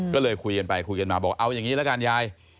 ก็เลยคุยกันไปคุยกันมาบอกเอาอย่างนี้ละกันยาย